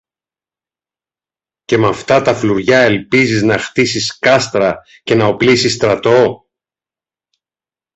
Και με αυτά τα φλουριά ελπίζεις να χτίσεις κάστρα και να οπλίσεις στρατό;